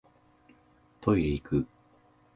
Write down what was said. トイレいく